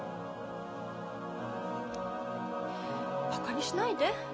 バカにしないで。